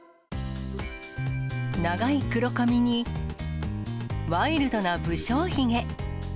長い黒髪に、ワイルドな不精ひげ。